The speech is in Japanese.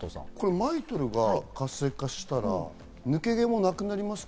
ＭＩＴＯＬが活性化したら抜け毛もなくなりますか？